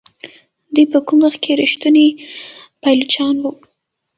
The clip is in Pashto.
دوی په کوم وخت کې ریښتوني پایلوچان وو.